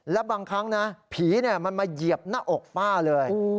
แล้วบางครั้งนะผีมันมาเหยียบหน้าอกป้าเลย